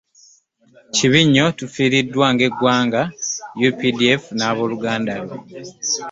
Kibi nnyo tufiiriddwa ng'eggwanga, UPDF n'abooluganda lwe